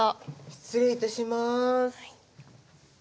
失礼いたします。